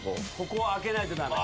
ここは開けないと駄目。